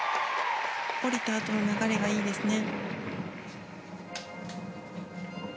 降りたあとの流れがいいですね。